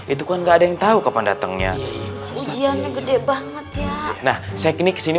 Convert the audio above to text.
itu kan gak ada yang tahu kapan datangnya ujiannya gede banget ya nah saya kini kesini